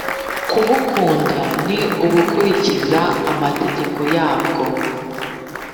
Kubukunda ni ugukurikiza amategeko yabwo,